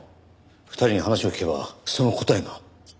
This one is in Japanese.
２人に話を聞けばその答えが。